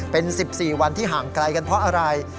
เป็น๑๔วันที่ห่างไกลกันเพราะอะไร